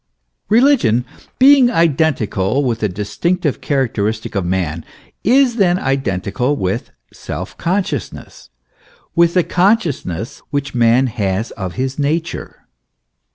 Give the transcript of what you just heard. Religion being identical with the distinctive characteristic of man, is then identical with self consciousness with the con sciousness which man has of his nature.